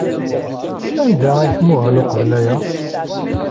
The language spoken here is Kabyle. Anda ay tmuhel uqbel aya?